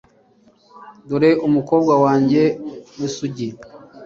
dore umukobwa wanjye w'isugi